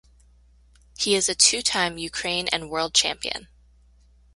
He is a two-time Ukraine and World Champion.